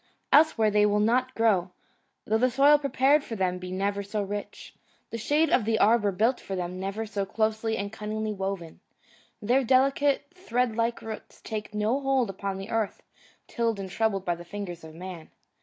Elsewhere they will not grow, though the soil prepared for them be never so rich, the shade of the arbour built for them never so closely and cunningly woven. Their delicate, thread like roots take no hold upon the earth tilled and troubled by the fingers of man.